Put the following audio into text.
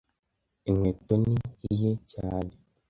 Inkweto ni iye cyane